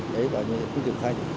đấy gọi như là tương tự khách